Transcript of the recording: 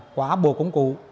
quá bộ công cụ